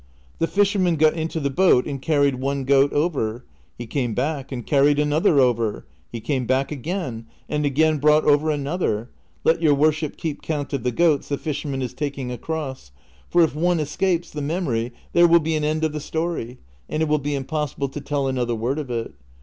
The fisherman got into the boat and carried one goat over ; he came back and carried another over ; he came back again, and again brought over another — let your worship keep count of the goats the fisher man is taking across, for if one escapes the memory there will be an end of the story, and it will be impossible to tell another word of it.